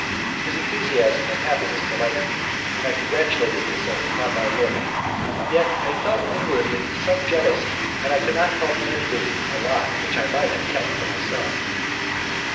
His enthusiasm and happiness delighted me, and I congratulated myself upon my own work. Yet I felt inwardly some jealousy, and I could not help envying a lot which I might have kept for myself.